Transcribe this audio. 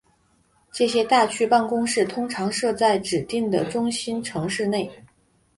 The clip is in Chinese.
这些大区办公室通常设在指定的中心城市内。